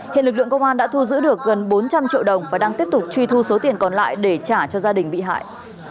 hiện lực lượng công an đã thu giữ được gần bốn trăm linh triệu đồng và đang tiếp tục truy thu số tiền còn lại để trả cho gia đình bị hại